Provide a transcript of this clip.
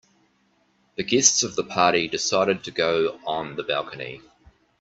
The guests of the party decided to go on the balcony.